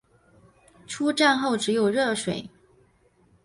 出站后只有热水